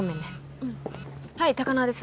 うんはい高輪です